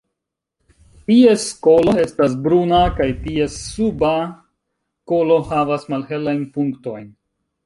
Ties kolo estas bruna kaj ties suba kolo havas malhelajn punktojn.